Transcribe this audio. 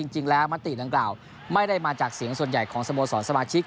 จริงแล้วมติดังกล่าวไม่ได้มาจากเสียงส่วนใหญ่ของสโมสรสมาชิก